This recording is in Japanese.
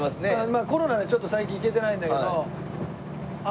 まあコロナでちょっと最近行けてないんだけど。